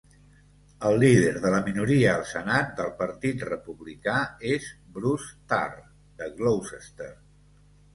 El líder de la minoria al Senat, del Partit Republicà, és Bruce Tarr, de Gloucester.